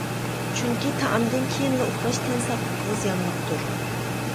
چۈنكى تائامدىن كېيىنلا ئۇخلاش تەن ساقلىقىغا زىيانلىقتۇر.